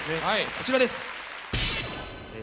こちらです。